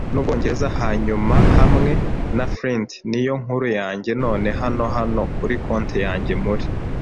n'Ubwongereza, hanyuma hamwe na Flint, niyo nkuru yanjye; none hano hano kuri konte yanjye, muri